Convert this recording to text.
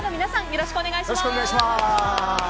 よろしくお願いします。